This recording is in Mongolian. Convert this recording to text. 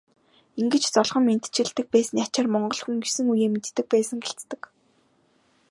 Ингэж золгон мэндчилдэг байсны ачаар монгол хүн есөн үеэ мэддэг байсан гэлцдэг.